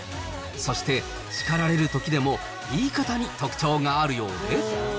そして、叱られるときでも、言い方に特徴があるようで。